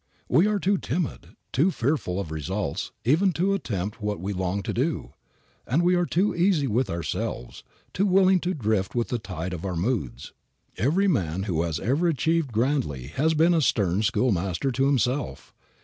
We are too timid, too fearful of results even to attempt what we long to do. And we are too easy with ourselves, too willing to drift with the tide of our moods. Every man who has ever achieved grandly has been a stern schoolmaster to himself.